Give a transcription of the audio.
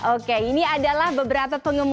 oke ini adalah beberapa pengemudi